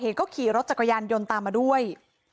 ตามมาด้วย